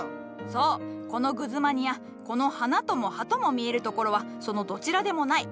そうこのグズマニアこの花とも葉とも見えるところはそのどちらでもない。